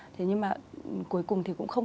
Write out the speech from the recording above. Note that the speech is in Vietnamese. thế nhưng mà cuối cùng thì cũng không